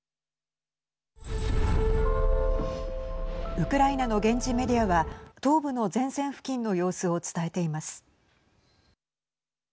ウクライナの現地メディアは東部の前線付近の様子を伝えています。